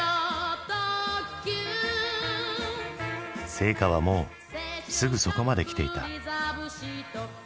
聖火はもうすぐそこまで来ていた。